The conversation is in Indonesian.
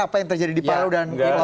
apa yang terjadi di palau dan lombok